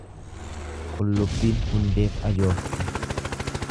Qullubbiin hundeef ajoofti.